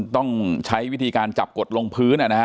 ต้องใช้วิธีการจับกดลงพื้นนะฮะ